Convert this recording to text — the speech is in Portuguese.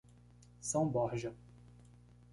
São Borja